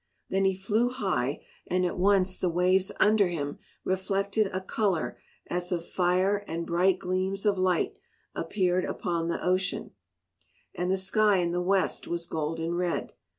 Then he flew high and at once the waves under him reflected a colour as of fire and bright gleams of light appeared upon the ocean, and the sky in the west was golden red.